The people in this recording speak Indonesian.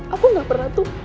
aku gak pernah tuh